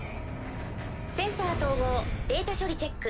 センサー統合データ処理チェック。